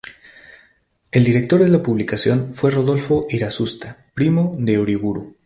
El director de la publicación fue Rodolfo Irazusta, primo de Uriburu.